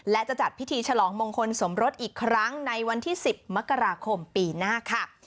และจะจัดพิธีฉลองมงคลสมรสอีกครั้งในวันที่๑๐มกราคมปีหน้าค่ะ